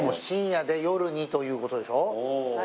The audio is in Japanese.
深夜で夜にということでしょう？